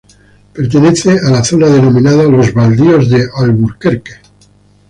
Pertenece a la zona denominada "Los Baldíos de Alburquerque".